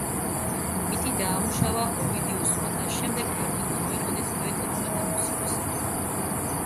მითი დაამუშავა ოვიდიუსმა და შემდეგ ფართოდ გამოიყენეს პოეტებმა და მუსიკოსებმა.